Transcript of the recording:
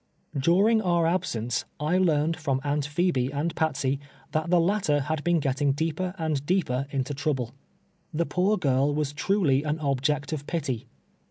During our absence, I learned from Aunt Pbebe and Patsey, tbat tbe latter bad been getting deeper and deeper into trouble. Tbe poor girl was truly an object of pity.